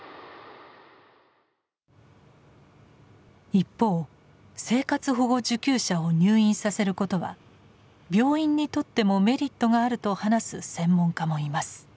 一方生活保護受給者を入院させることは病院にとってもメリットがあると話す専門家もいます。